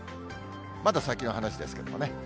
まだ先の話ですけどもね。